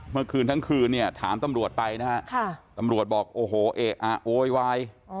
เมื่อคืนทั้งคืนถามตำรวจไปนะครับตำรวจบอกโอ้โหเอ๊ะอ่ะโอ๊ยวาย